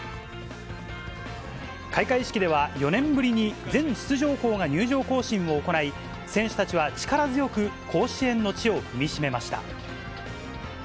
開会式では、４年ぶりに全出場校が入場行進を行い、選手たちは力強く甲子園の地を踏み締めました。